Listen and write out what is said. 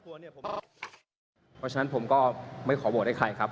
เพราะฉะนั้นผมก็ไม่ขอโหวตให้ใครครับ